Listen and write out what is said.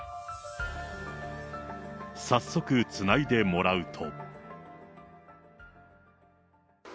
早速つないでもらうと。